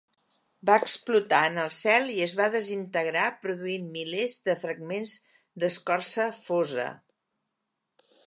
Va explotar en el cel i es va desintegrar, produint milers de fragments d'escorça fosa.